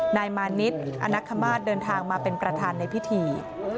นายมานิดอนักคมาตรเดินทางมาเป็นประธานในพิธี